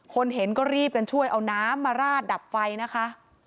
เห็นก็รีบกันช่วยเอาน้ำมาราดดับไฟนะคะ